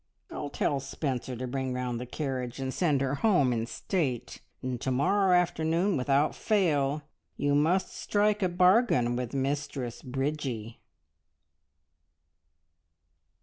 I'll tell Spencer to bring round the carriage and send her home in state, and to morrow afternoon without fail you must strike a bargain with Mistress Bridgie!"